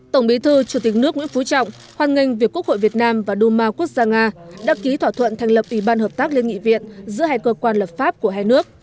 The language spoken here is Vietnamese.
tổng bí thư chủ tịch nước nguyễn phú trọng hoan nghênh việc quốc hội việt nam và duma quốc gia nga đã ký thỏa thuận thành lập ủy ban hợp tác liên nghị viện giữa hai cơ quan lập pháp của hai nước